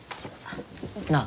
なあ。